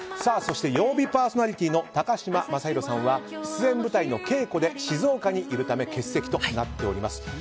そして、曜日パーソナリティーの高嶋政宏さんは出演舞台の稽古で静岡にいるため欠席となっております。